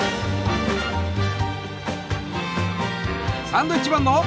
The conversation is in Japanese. サンドウィッチマンの。